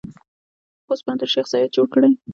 خوست پوهنتون شیخ زاید جوړ کړی؟